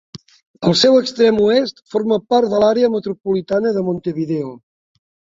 El seu extrem oest forma part de l'àrea metropolitana de Montevideo.